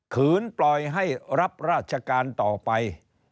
คืนปล่อยให้รับราชการต่อไป